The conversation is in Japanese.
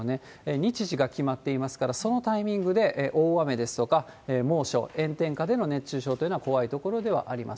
日時が決まっていますから、そのタイミングで大雨ですとか、猛暑、炎天下での熱中症というのは怖いところではあります。